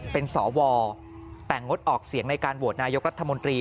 เป็นสวแต่งงดออกเสียงในการโหวตนายกรัฐมนตรี